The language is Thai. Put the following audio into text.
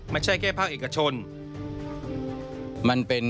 ไม่ใช่แค่ภาคเอกชน